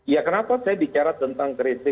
ya kenapa saya bicara tentang krisis